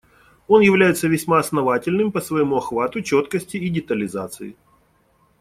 Он является весьма основательным по своему охвату, четкости и детализации.